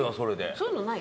そういうのない？